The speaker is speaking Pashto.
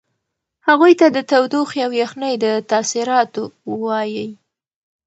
هغوی ته د تودوخې او یخنۍ د تاثیراتو وایئ.